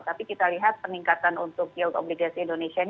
tapi kita lihat peningkatan untuk yield obligasi indonesia